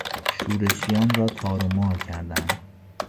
شورشیان را تار و مار کردن